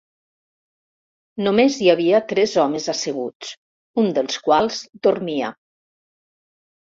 Només hi havia tres homes asseguts, un dels quals dormia.